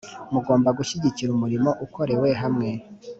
mugomba gushyigikira umurimo ukorewe hamwe